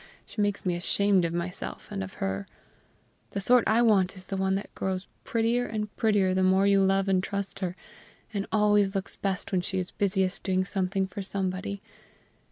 She makes me ashamed of myself and of her. The sort I want is one that grows prettier and prettier the more you love and trust her, and always looks best when she is busiest doing something for somebody.